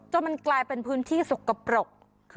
มันกลายเป็นพื้นที่สกปรก